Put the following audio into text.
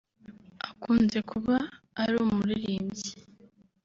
akunze kuba ari umuririmbyi